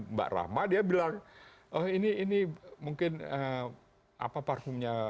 mbak rahma dia bilang oh ini mungkin apa parfumnya